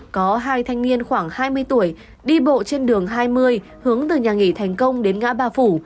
có hai thanh niên khoảng hai mươi tuổi đi bộ trên đường hai mươi hướng từ nhà nghỉ thành công đến ngã ba phủ